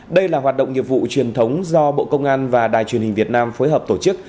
đây là hoạt động nghiệp vụ truyền thống do bộ công an và đài truyền hình việt nam phối hợp tổ chức